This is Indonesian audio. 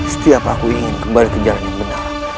setiap aku ingin kembali ke jalan yang benar